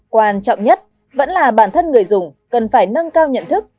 quan trọng nhất vẫn là bản thân người dùng cần phải nâng cao nhận thức